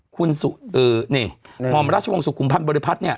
คุณนี่หม่อมราชวงศุขุมพันธ์บริพัฒน์เนี่ย